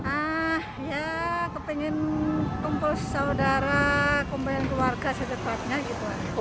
ah ya kepingin kumpul saudara kumpul keluarga secepatnya gitu